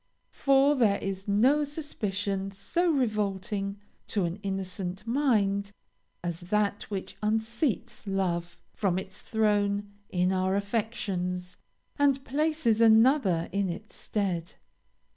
For there is no suspicion so revolting to an innocent mind as that which unseats love from his throne in our affections, and places another in his stead.